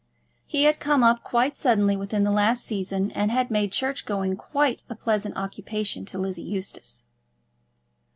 He had come up quite suddenly within the last season, and had made church going quite a pleasant occupation to Lizzie Eustace.